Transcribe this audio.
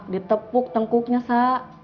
ditepuk tengkuknya sa